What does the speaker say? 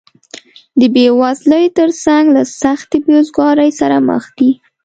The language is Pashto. د بېوزلۍ تر څنګ له سختې بېروزګارۍ سره مخ دي